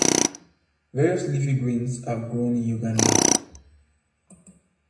Various leafy greens are grown in Uganda.